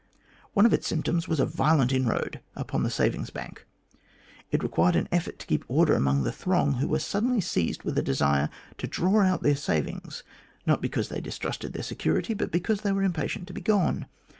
One of its symptoms was a violent inroad upon the savings bank. It required an effort to keep order among the throng who were suddenly seized with a desire to draw out their savings, not because they distrusted the security, but because they were impatient to be gone.